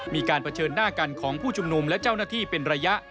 มีการเผชิญหน้ากันของผู้ชุมนุมและเจ้าหน้าที่เป็นระยะ